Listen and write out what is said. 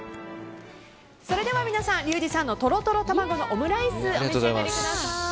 それでは皆さんリュウジさんのトロトロ卵のオムライスお召し上がりください。